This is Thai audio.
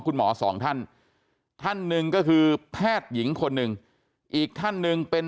คุณหมอสองท่านท่านหนึ่งก็คือแพทย์หญิงคนหนึ่งอีกท่านหนึ่งเป็น